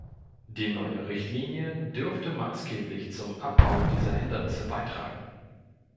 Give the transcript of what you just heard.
Die neue Richtlinie dürfte maßgeblich zum Abbau dieser Hindernisse beitragen.